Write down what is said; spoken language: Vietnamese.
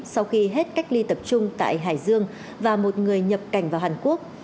sau khi hết cách ly tập trung tại hải dương và một người nhập cảnh vào hàn quốc